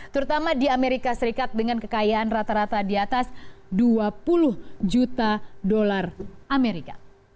terutama di amerika serikat dengan kekayaan rata rata di atas dua puluh juta dolar amerika